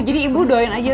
jadi ibu doain aja